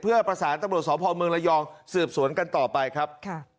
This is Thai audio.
เพื่อประสานตำรวจสพเมืองระยองสืบสวนกันต่อไปครับ